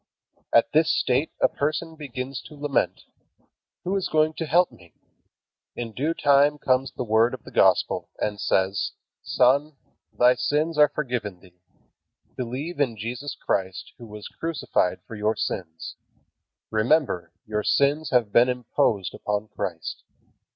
At this state a person begins to lament: "Who is going to help me?" In due time comes the Word of the Gospel, and says: "Son, thy sins are forgiven thee. Believe in Jesus Christ who was crucified for your sins. Remember, your sins have been imposed upon Christ."